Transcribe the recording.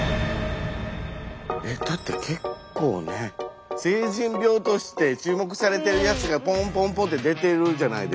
だって結構ね成人病として注目されてるやつがポンポンポンって出てるじゃないですか。